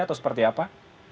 atau seperti apa